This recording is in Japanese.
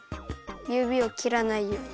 ゆびをきらないように。